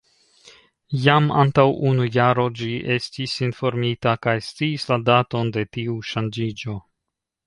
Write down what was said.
Jam antaŭ unu jaro ĝi estis informita kaj sciis la daton de tiu ŝanĝiĝo.